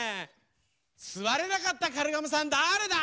すわれなかったカルガモさんだれだ？